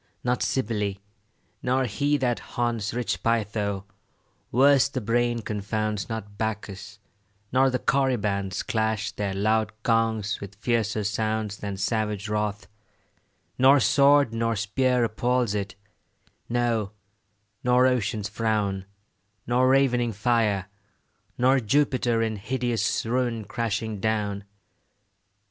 Not Cybele, nor he that haunts Rich Pytho, worse the brain confounds, Not Bacchus, nor the Corybants Clash their loud gongs with fiercer sounds Than savage wrath; nor sword nor spear Appals it, no, nor ocean's frown, Nor ravening fire, nor Jupiter In hideous ruin crashing down.